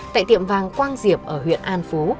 tại tiệm vàng quang diệp ở huyện an phú